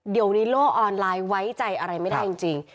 เดี๋ยวในโลกออนไลน์ไว้ใจอะไรไม่ได้จริง